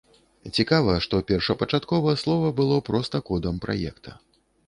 Цікава, што першапачаткова слова было проста кодам праекта.